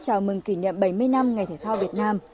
chào mừng kỷ niệm bảy mươi năm ngày thể thao việt nam